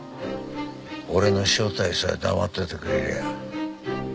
俺の正体さえ黙っててくれりゃ。